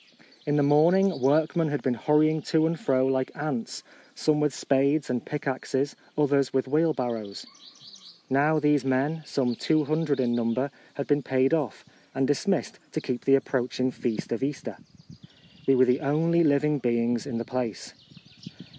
In the morning workmen had been hurrying to and fro like ants, some with spades and pick axes, others with wheelbarrows. Now these men, some 200 in num ber, had been paid off, and dismissed to keep the approaching feast of Easter. We were the only living beings in the place.